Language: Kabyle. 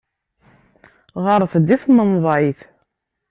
Ɣret-d i tmenḍayt.